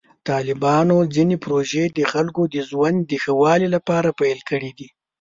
طالبانو ځینې پروژې د خلکو د ژوند د ښه والي لپاره پیل کړې دي.